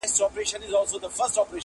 د تيارو اجاره دار محتسب راغى!